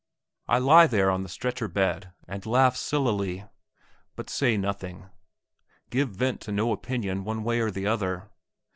I lie there on the stretcher bed and laugh slily, but say nothing; give vent to no opinion one way or the other.